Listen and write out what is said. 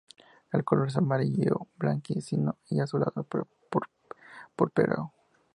El color es amarillo, blanquecino o azulado-purpúreo.